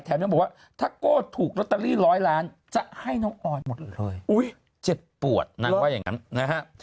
ยังบอกว่าถ้าโก้ถูกลอตเตอรี่ร้อยล้านจะให้น้องออนหมดเลยเจ็บปวดนางว่าอย่างนั้นนะฮะ